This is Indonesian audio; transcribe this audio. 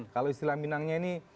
kalau istilah minangnya ini